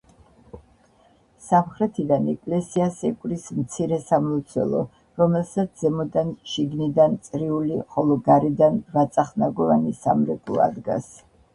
სამხრეთიდან ეკლესიას ეკვრის მცირე სამლოცველო, რომელსაც ზემოდან შიგნიდან წრიული, ხოლო გარედან რვაწახნაგოვანი სამრეკვლო ადგას.